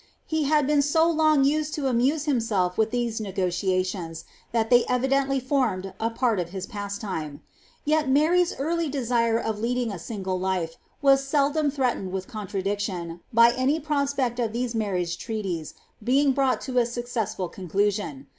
Ho hai] been so long used to amuse himself with these uegotiaiicins, that tliey evidently formed pari of his pastime. Yet Mary's early desire of leading s single life was seldom threatened with coniradiciion, by any prospect of these marriage 1 real ies being brought to a successful con clusion.